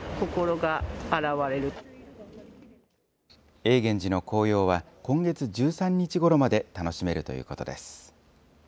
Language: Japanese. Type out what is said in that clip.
永源寺の紅葉は今月１３日ごろまで楽しめるということです。